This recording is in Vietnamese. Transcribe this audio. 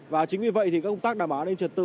và chính vì vậy thì công tác đảm bảo an ninh trật tự